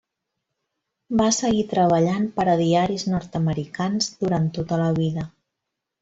Va seguir treballant per a diaris nord-americans durant tota la vida.